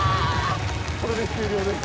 これで終了です。